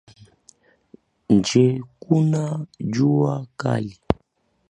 Nje kuna jua kali